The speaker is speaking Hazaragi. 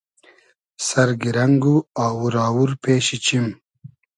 سئر گیرنئگ و آوور آوور پېشی چیم